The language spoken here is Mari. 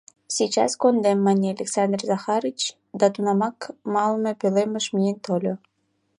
Сейчас кондем, — мане Александр Захарыч да тунамак малыме пӧлемыш миен тольо.